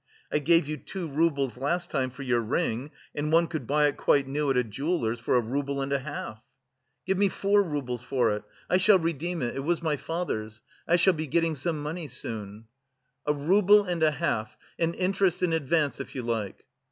I gave you two roubles last time for your ring and one could buy it quite new at a jeweler's for a rouble and a half." "Give me four roubles for it, I shall redeem it, it was my father's. I shall be getting some money soon." "A rouble and a half, and interest in advance, if you like!"